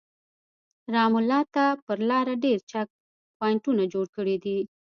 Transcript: رام الله ته پر لاره ډېر چک پواینټونه جوړ کړي دي.